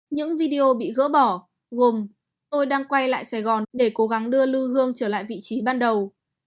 những video bị gỡ bỏ gồm tôi đang quay lại sài gòn để cố gắng đưa lưu hương trở lại vị trí ban đầu